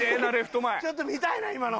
ちょっと見たいな今の。